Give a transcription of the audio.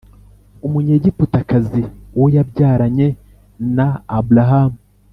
umunyegiputakazi uwo yabyaranye na aburahamu